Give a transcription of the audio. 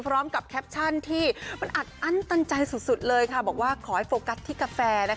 พร้อมกับแคปชั่นที่มันอัดอั้นตันใจสุดสุดเลยค่ะบอกว่าขอให้โฟกัสที่กาแฟนะคะ